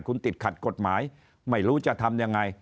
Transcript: คุณติดขัดกฎหมายไม่รู้จะทำยังไง